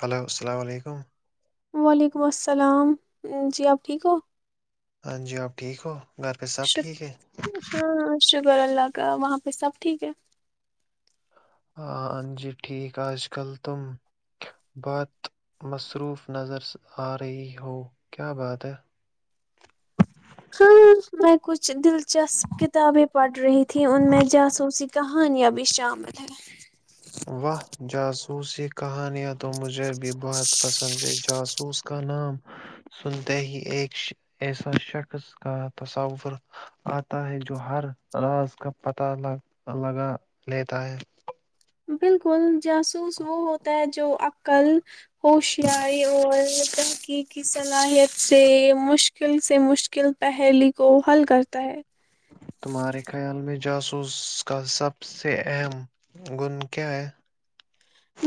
hello السلام علیکم وعلیکم السلام جی آپ ٹھیک ہو ہاں جی آپ ٹھیک ہو گھر پہ سب ش ٹھیک ہے ہاں ہاں شک ابور اللہ کا وہاں پہ سب ٹھیک ہے ہ انان جی ٹھیک آج کل تم بات مصروف نظر آ رہی ہو کیا بات ہے ہاں میں کچھ دلچسپ کتابیں پڑھ رہی تھی ان میں جاسوسی کہانیاں بھی شام ہے واہ جہاز خوسیی کہانیاں تو مجھے بھی بہت پسند ہے جوس رس کا نام سنتے ہی ایک ایسا شخص کا تصور آتا ہے جو ہر راز کا پتہ لگا لیتا ہے بالکل جاسوس وہ ہوتا ہے جو عقل ہوشیاری اور ترقی کی صلاحیت سے مشکل سے مشکل پہرل کو حل کرتا ہے تمہارے خیال میں جاسوس کا سب سے اہم گن کیا ہے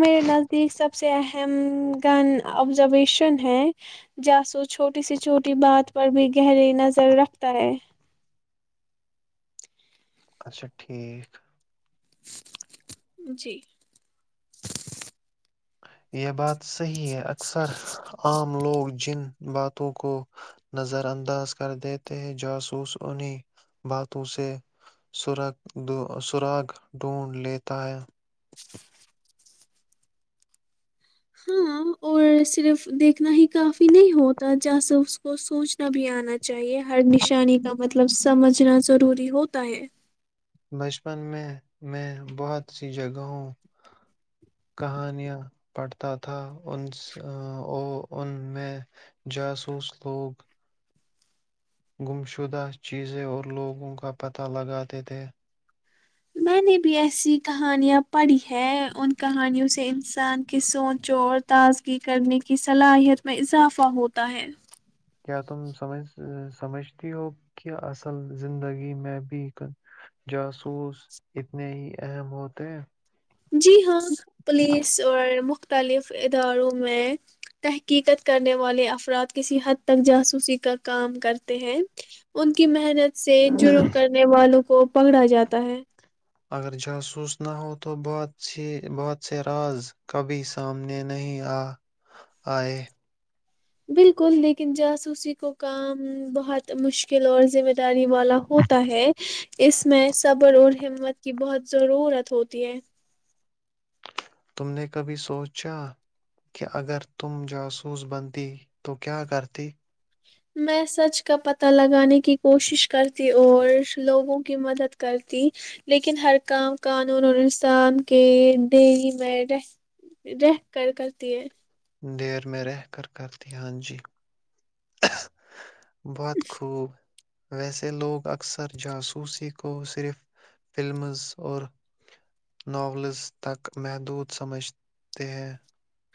میرے نزدیک سب سے اہم گن آبزرویشن ہے جاسو چھوٹی سے چھوٹی بات پر بھی گہری نظر رکھتا ہے اچھا ٹھیک جی یہ بات س صحہی ہے اکثر عام لوگ جن باتوں کو نظر انداز کر دیتے ہیں جاسوس انہی باتوں سے سراغ ڈھونڈ لیتا ہے ہاں اور صرف دیکھنا ہی کافی نہیں ہوتا جاس اس کو سوچ بھی آنا چاہیے ہر نشانی کا مطلب سمجھنا ضروری ہو ہے بچپن میں میں بہت سی جگہوں کہانیاں پڑھتا تھا ان ا ان میں جاسوس لوگ گمشدہ چیزیں اور لوگوں کا پتہ لگاتے تھے میں نے بھی ایسی کہانیاں پڑھی ہے ان کہانیوں سے انسان کی سوچ اور تازگی کرنے کی صلاحیت میں اضافہ ہوتا ہے کیا تم سمج سمجھتی ہو کہ اصل زندگی میں بھی جاسوس اتنے ہی اہم ہوتے ہیں جی ہاں پولیس اور مخ مختلف اداروں میں تحقیقت کرنے والے افراد کسی حد تک جاسوسی کا کام کرتے ہیں ان کی محنت سے جرم کرنے والوں کو کو پکڑا جاتا ہے اگر جاسوس نہ ہو تو بہت سے راز کبھی سامنے نہیں آ آئے بالکل لیکن جاسوسی کو کام بہت مشکل اور ذمہ داری والا ہوتا ہے اس میں صبر اور ہمت کی بہت ضرورت ہوتی ہے تم نے کبھی سوچا کہ اگر تم جاسوس بنتی تو کیا کرتی میں سچ کا پتہ لگانے کی کوشش کرتی اور لوگوں کی مدد کرتی لیکن ہر کام قانون اور انسان کے دیری میں رہ رہ کر کرتی ہے دیر میں رہ کر کرتی ہاں جی بہت خوب ویسے لوگ اکثر جاسوسی کو صرف فلمز اور ناولز تک محدود سمجھتے ہیں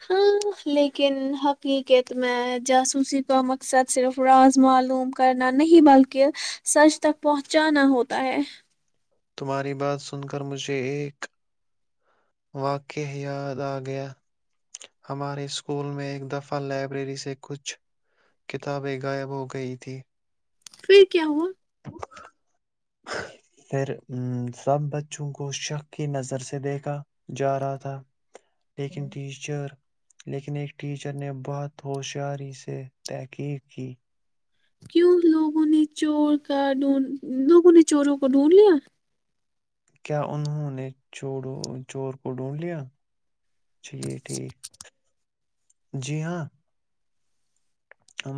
ہاں لیکن حقیقت میں جاسوسی کا مقصد صرف راز معلوم کرنا نہیں بلکہ سچ تک پہنچانا ہوتا ہے تمہاری بات سن کر مجھے ایک واقع یاد آ گیا ہمارے اسکول میں ایک دفعہ لائبریری سے کچھ کتابیں غائب ہو گئی تھی پھر کیا ہوا پھر امم سب بچوں کو شک کی نظر سے دیکھا جا رہا تھا لیکن ٹیچر لیکن ایک ٹیچر نے بہت ہوشیاری سے تحقیق کی کیوں لوگوں نے چور کا ڈھونڈ لوگوں نے چوروں کو ڈھونڈ لیا کیا انہوں نے چ چور کو ڈھونڈ لیا چلیے ٹھیک جی ہاں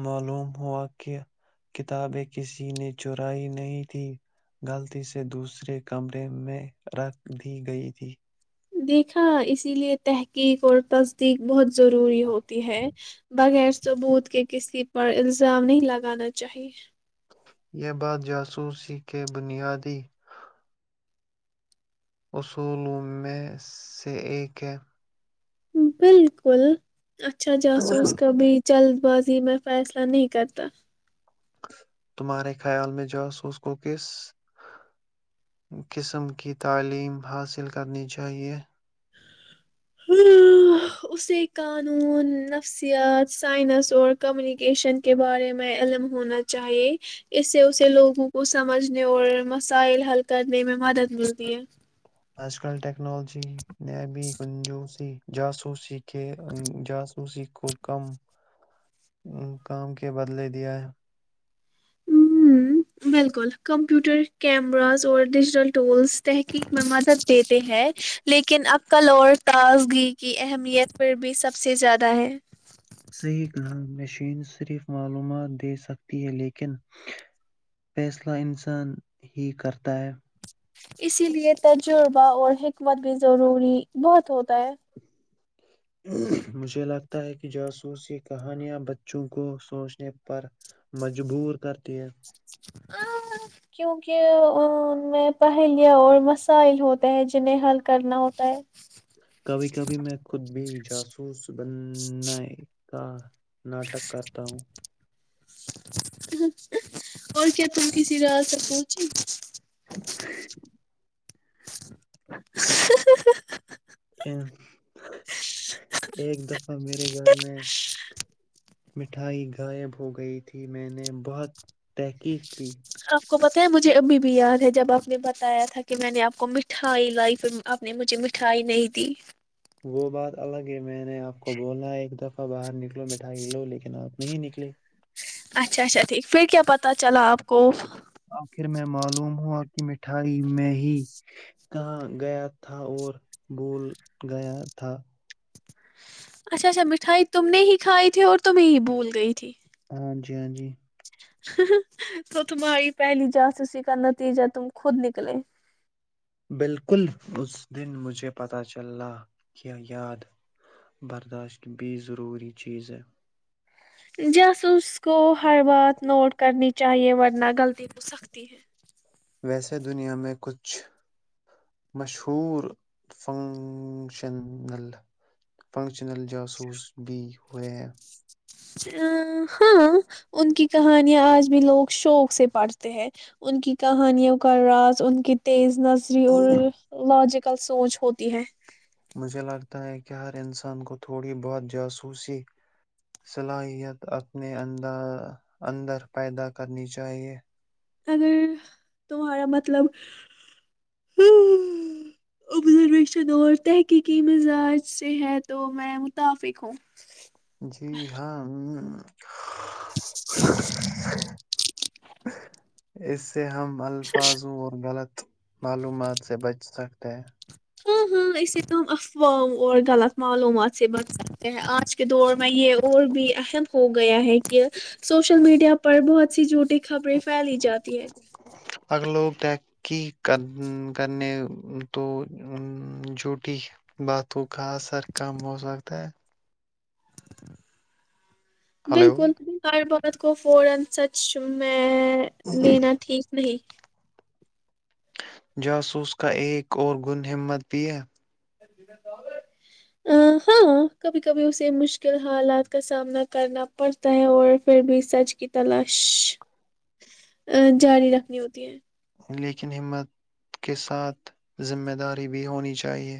معلوم ہوا کہ کتابیں کسی نے چرائی نہیں تھی غلطی سے دوسرے کمرے میں رکھ دی گئی تھی دیکھا اسی لیے تحقیق اور تصدیق بہت ضروری ہوتی ہے بغیر ثبوت کے کسی پر الزام نہیں لگانا چاہیے یہ بات جاسوس ہی کہ بنیادی اصولوں میں سے ایک ہے بالکل اچھا جاسوس کبھی جلد بازی میں فیصلہ نہیں کرتا تمہارے خیال میں جاسوس کو کس قسم کی تعلیم حاصل کرنی چاہیے ہمم اسے قانون نفسیات سائنس اور کمیونیکیشن کے بارے میں علم ہونا چاہیے اس سے اسے لوگوں کو سمجھنے اور مسائل حل کرنے میں مدد ملتی ہے آج کل ٹیک ٹیکنالوجی نےبی کنجوسی جاسوسی کہ جاس اسی کو کم کام کے بدلے دیا ہے ہمم بالکل کمپیوٹر کیمراز اور ڈیجیٹل ٹولس تحقیق میں مذہ دیتے ہیں لیکن اب کل اور تازگی کی اہمیت بھی سب سے زیادہ ہے صحیح کہا مشین صرف معلومات دے سکتی ہے لیکن فیصلہ انسان ہی کرتا ہے اسی لیے تجربہ اور حکمت بھی ضروری بہت ہوتا ہے مجھے لگتا تا ہے کہ جاسوسی کہانیاں بچوں کو سوچنے پر مجبور کرتی ہے کیونکہ ان میں پہلیہ اور مسائل ہوتے ہیں جنہیں حل کرنا ہوتا ہے کبھی کبھی میں خود بھی جاسوس بننے کا ناٹک کرتا ہوں اور کیا تم کسی رات تک پہنچے [unintelligible] [unintelligible] اے- ایک دفعہ میرے گھر میں مٹھائی غائب ہو گئی تھی میں نے بہت تحقیق کی آپ کو بتایا مجھے ابھی بھی یاد ہے جب آپ نے بتایا تھا کہ میں نے آپ کو مٹھائی لائی پھر آپ نے مجھے مٹھائی نہیں دی وہ بات الگ ہے میں نے آپ کو بولا ایک دفعہ باہر نکلو مٹھائی لو لیکن آپ نہیں نکلے اچھ اچھا ٹھیک پھر کیا پتہ چلا آپ کو آخر میں معلوم ہوا کہ مٹھائی میں ہی کہا گیا تھا اور بھول گیا تھا اچھا اچھا مٹھائی تم نے ہی کھائی تھی اور تمہیں ہی بھول گئی تھی ہاں جی ہاں جی تو تمہاری پہلی جسی کا نتیجہ تم خود نکلے بالکل اس دن مجھے پتہ چل کیا یاد برداشت بھی ضروری چیز ہے جاسوس چاہے ورنہ غلطی ہو سختی ہے ویسے دنیا میں کچھ مشہور فنکشنل فنکشنل جاسوس بھی ہوئے ہیں ہاں ان کی کہانیاں آج بھی لوگ شوق سے پڑھتے ہیں ان کی کہانیوں کا راز ان کی تیز نسری اور لاجک کل سوچ ہوتی ہے مجھے لگتا ہے کہ ہر انسان کو تھوڑی بہت جاسوسی صلاحیت اپنے اند اندر پیدا کرنی چاہیے اگر تمہارا مطلبش دور تحقیقی مزاج سے ہے تو میں متفق ہوں جی ہاں [unintelligible] ت ہم الفاظوں اور غلط معلومات سے بچ سکتے ہیں ہاں ہاں اسے تو ہم افوام اور غلط معلومات سے بچ سکتے ہیں آج کے دور میں یہ اور بھی اسیں ہو گیا ہے کہ سوشل میڈیا پر بہت سی جوٹی خبریں پھیلی جاتی ہے ترقی کر کرنے تو جوٹی باتوں کا اثر کم ہو سکتا ہے ہلو بالکل اور بہت کو فورا سچ سن می ا نینا ٹھیک نہیں جاسوس کا ایک اور گن ہمت بھی ہے ا ہاں کبھی کبھی اسے مشکل حالات کا سامنا کرنا پڑتا ہے اور پھر بھی سچ کی تلاش جاری رکھنی ہوتی ہے لیکن ہمت کے ساتھ ذمہ داری بھی ہونی چاہیے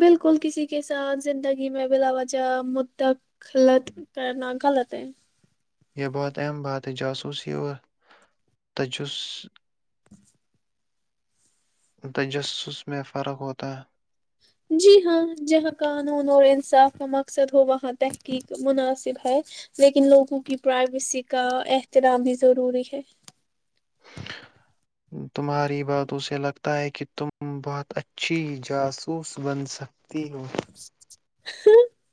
بالکل کسی کے ساتھ زندگی میں بلا وجہ مدخلت کرنا غلط ہے یہ بہت اہم بات ہے جاسوسی اور تجس تجسس میں فرق ہوتا ہے جی ہاں جہاں قانون اور انصاف کا مقصد ہو وہاں تحقیق مناسب ہے لیکن لوگوں کی پرائیویسی کا احترام بھی ضروری ہے تمہاری بات اسے لگتا ہے کہ تم بہت اچھی جاسوس بن سک تینین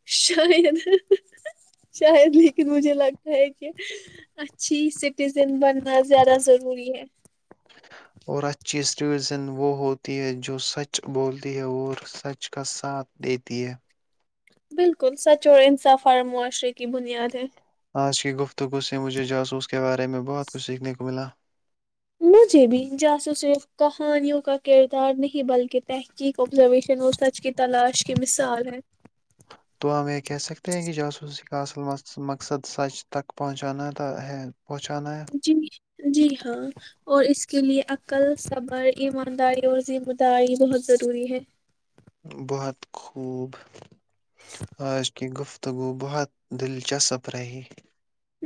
شاید شاید لیکن مجھے لگتا ہے کہ اچھی سٹیزن بن نا زیادہ ضروری ہے زن وہ ہوتی ہے جو سچ بولتی ہے اور سچ کا ساتھ دیتی ہے بالکل سچ اور انصاف اور معاشرے کی بنیاد ہے آج کی گفتگو سے مجھے جاسوس اس کے بارے میں بہت کچھ سیکھنے کو ملا مجھے بھی جاسو صرف کہانیوں کا کردار نہیں بلکہ تحقیق آبزرویشن اور سچ کی تلاش کی مثال ہے تو ہم یہ کہہ سکتے ہیں کہ جاسوسی کا اصل مقصد سچ تک پہنچانا ہے پہنچانا جی جی ہاں اور اس کے لیے عقل صبر ایمانداری اور ذمہ داری بہت ضروری ہے بہت خوب آج کی گفت تو وہ بہت دلچسپ رہی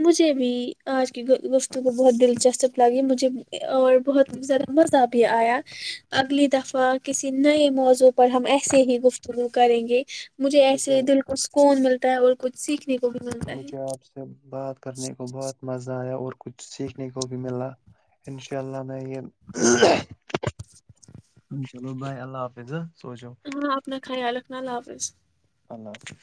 مجھے بھی آج کے گستتوں کو بہت دلچسپ لگی مجھے اور بہت ذرا مزہ بھی آیا اگلی دفعہ کسی نئے موضوع پر پر ہم ایسے ہی گفتگو کریں گے مجھے ایسے دل کو سکون ملتا اور کچھ سیکھ مجھے آپ سے بات کرنے کو بہت مزہ اور کچھ سیکھنے کو بھی ملا انشاء اللہ میں یہ اناء اللہ بھائی اللہ حافظ سو جاؤ ہاں اپنا خیال رکھنا اللہ حافظ اللہ حافظ